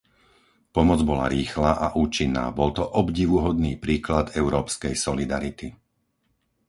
Pomoc bola rýchla a účinná, bol to obdivuhodný príklad európskej solidarity.